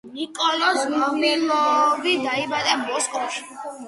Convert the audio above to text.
ნიკოლოზ ვავილოვი დაიბადა მოსკოვში.